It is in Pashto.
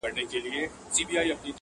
نه بارونه وړي نه بل څه ته په کار دی-